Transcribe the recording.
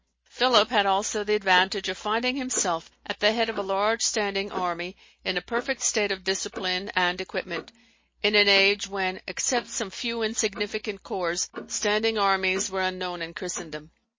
Philip had also the advantage of finding himself at the head of a large standing army in a perfect state of discipline and equipment, in an age when, except some few insignificant corps, standing armies were unknown in Christendom.